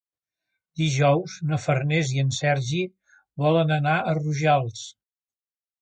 Dijous na Farners i en Sergi volen anar a Rojals.